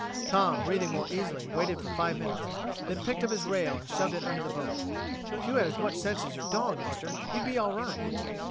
Tom, breathing more easily, waited for five minutes, then picked up his rail and shoved it under the boat. "If you had as much sense as your dog, mister, you'd be all right."